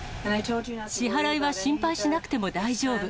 支払いは心配しなくても大丈夫。